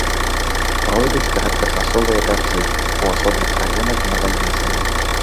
Пройдуць кароткачасовыя дажджы, у асобных раёнах з навальніцамі.